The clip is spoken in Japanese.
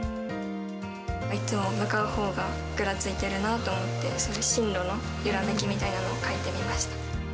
いつも向かうほうがぐらついてるなと思って、それで進路の揺らめきみたいなのを書いてみました。